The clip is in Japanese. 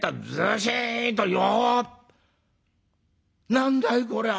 何だいこりゃあ。